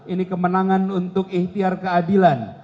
ini kemenangan untuk ihtiar keadilan